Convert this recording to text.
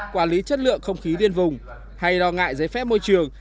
quản lý chất lượng không khí liên vùng hay đo ngại giấy phép môi trường